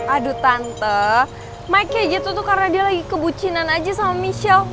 aduh tante mike aja jatuh karena dia lagi kebucinan aja sama michelle